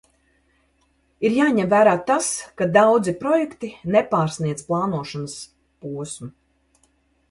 Ir jāņem vērā tas, ka daudzi projekti nepārsniedz plānošanas posmu.